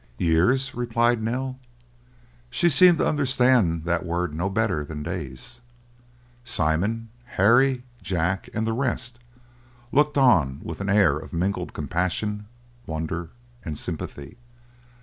"Years?" replied Nell. She seemed to understand that word no better than days! Simon, Harry, Jack, and the rest, looked on with an air of mingled compassion, wonder, and sympathy.